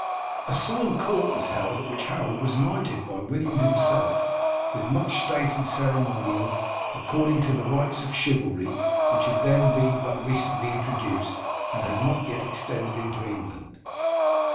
A solemn court was held, at which Harold was knighted by William himself with much state and ceremonial, according to the rites of chivalry, which had then been but recently introduced, and had not as yet extended into England.